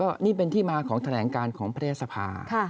ก็นี่เป็นที่มาของแถลงการของประเทศสภา